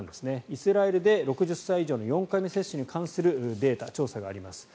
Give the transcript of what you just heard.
イスラエルで、６０歳以上の４回目接種に関するデータ調査があります。